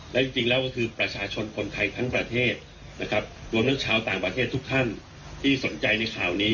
และจริงแล้วก็คือประชาชนคนไทยทั้งประเทศนะครับรวมทั้งชาวต่างประเทศทุกท่านที่สนใจในข่าวนี้